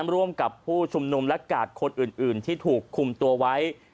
ร่วมกับผู้ชุมนุมและกาดคนอื่นที่ถูกคุมตัวไว้